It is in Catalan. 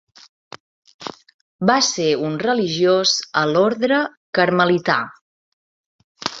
Va ser un religiós a l'orde carmelità.